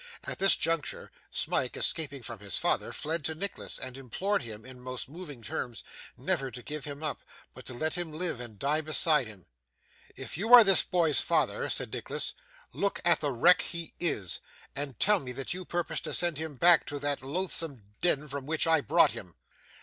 At this juncture, Smike escaping from his father fled to Nicholas, and implored him, in most moving terms, never to give him up, but to let him live and die beside him. 'If you are this boy's father,' said Nicholas, 'look at the wreck he is, and tell me that you purpose to send him back to that loathsome den from which I brought him.